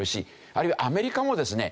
あるいはアメリカもですね